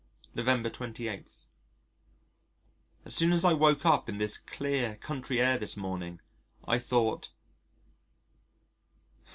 November 28. As soon as I woke up in this clear, country air this morning, I thought